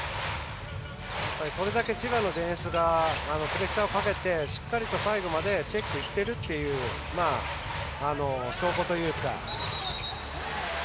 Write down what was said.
それだけ千葉のディフェンスがプレッシャーをかけてしっかりと最後までチェックいってるという証拠というか。